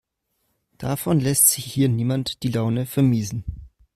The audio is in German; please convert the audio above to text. Davon lässt sich hier niemand die Laune vermiesen.